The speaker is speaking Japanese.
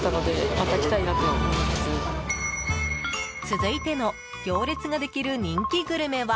続いての行列ができる人気グルメは